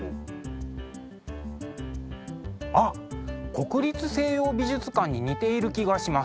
国立西洋美術館に似ている気がします。